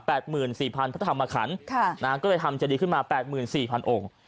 หมื่นสี่พันพระธรรมขันค่ะนะฮะก็เลยทำเจดีขึ้นมาแปดหมื่นสี่พันองค์